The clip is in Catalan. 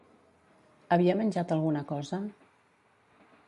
Havia menjat alguna cosa?